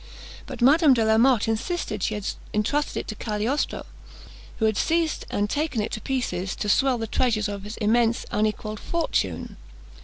But Madame de la Motte insisted that she had entrusted it to Cagliostro, who had seized and taken it to pieces, to "swell the treasures of his immense unequalled fortune."